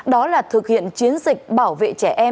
đó là thực hiện chiến dịch bảo vệ trẻ em